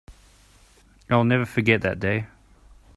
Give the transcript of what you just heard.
I will never forget that day.